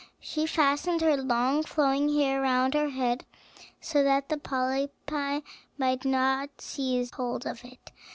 She fastened her long flowing hair round her head, so that the polypi might not seize hold of it.